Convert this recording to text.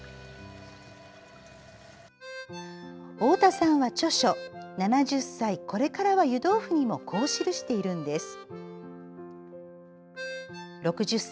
太田さんは、著書「７０歳、これからは湯豆腐」にも、こう記しているんです。